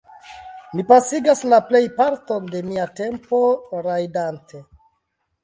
Mi pasigas la plejparton de mia tempo rajdante.